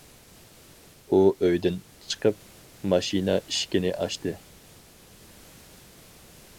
ئۇ ئۆيدىن چىقىپ، ماشىنا ئىشىكىنى ئاچتى.